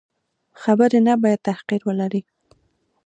خبرې نه باید تحقیر ولري.